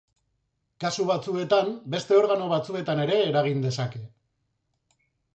Kasu batzuetan, beste organo batzuetan ere eragin dezake.